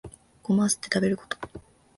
ゴマはすって食べること